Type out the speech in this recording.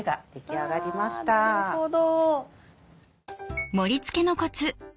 あなるほど。